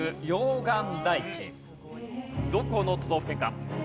どこの都道府県か。